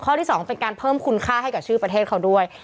ที่๒เป็นการเพิ่มคุณค่าให้กับชื่อประเทศเขาด้วย